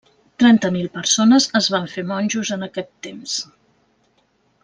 Trenta mil persones es van fer monjos en aquest temps.